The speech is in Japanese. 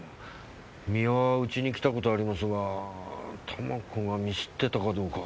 三輪は家に来た事ありますが珠子が見知ってたかどうか。